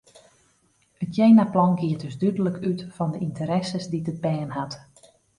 It jenaplan giet dus dúdlik út fan de ynteresses dy't it bern hat.